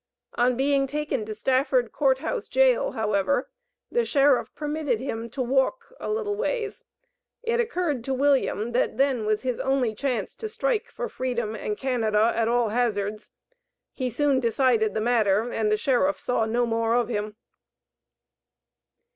On being taken to Stafford Court House Jail, however, the sheriff permitted him to walk a "little ways." It occurred to William that then was his only chance to strike for freedom and Canada, at all hazards. He soon decided the matter, and the sheriff saw no more of him.